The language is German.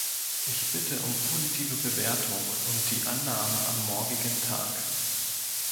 Ich bitte um positive Bewertung und die Annahme am morgigen Tag.